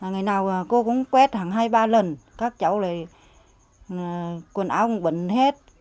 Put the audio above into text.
ngày nào cô cũng quét hàng hai ba lần các cháu lại quần áo cũng bẩn hết